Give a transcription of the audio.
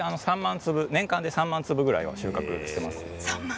年間で３万粒ぐらい収穫できます。